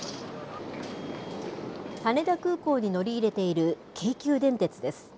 羽田空港に乗り入れている京急電鉄です。